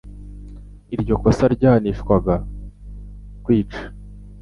Iryo kosa ryahanishwaga kwicwa.